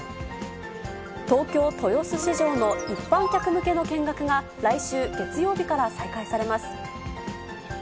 東京・豊洲市場の一般客向けの見学が、来週月曜日から再開されます。